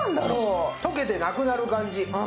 溶けてなくなる感じ。